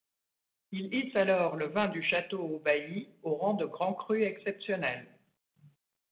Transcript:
Il hisse alors le vin du Château Haut-Bailly au rang de Grand crû exceptionnel.